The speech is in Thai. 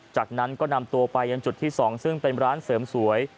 จากนั้นก็นำตัวไปยังจุดที่๒ซึ่งเป็นร้านเสริมสวย